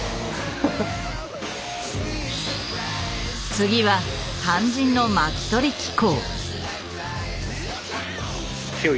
次は肝心の巻き取り機構。